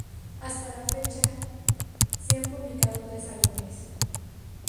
Hasta la fecha, se han publicado tres álbumes.